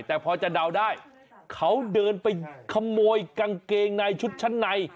แต่พอจะเดาได้เขาเดินไปขโมยกางเกงในชุดชั้นใน